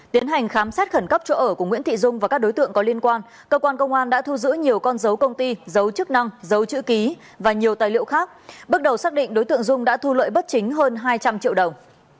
tiến hành khám xét khẩn cấp chỗ ở của nguyễn thị dung và các đối tượng có liên quan cơ quan công an đã thu giữ nhiều con dấu công ty dấu chức năng giấu chữ ký và nhiều tài liệu khác bước đầu xác định đối tượng dung đã thu lợi bất chính hơn hai trăm linh triệu đồng